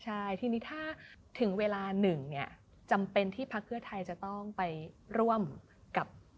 ใช่ทีนี้ถ้าถึงเวลาหนึ่งเนี่ยจำเป็นที่พักเพื่อไทยจะต้องไปร่วมกับ